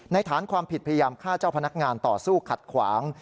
ฐานความผิดพยายามฆ่าเจ้าพนักงานต่อสู้ขัดขวาง